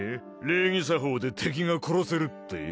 礼儀作法で敵が殺せるって？